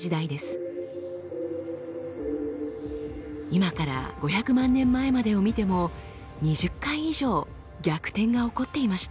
今から５００万年前までを見ても２０回以上逆転が起こっていました。